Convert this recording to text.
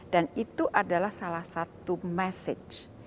dan itu adalah salah satu message